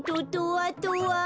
あとは。